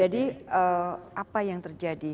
jadi apa yang terjadi